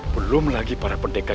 belum lagi para pendekar